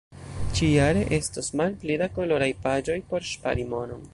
Ĉi-jare estos malpli da koloraj paĝoj por ŝpari monon.